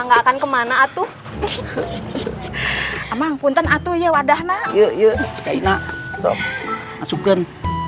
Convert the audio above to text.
kita akan kemana atuh amang punten atuh ya wadah nak yuk yuk cina masukkan